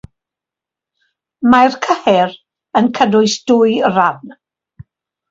Mae'r cyhyr yn cynnwys dwy ran.